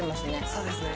そうですね。